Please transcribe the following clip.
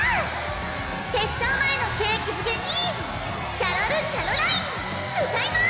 決勝前の景気づけにキャロル＝キャロライン歌いまーす！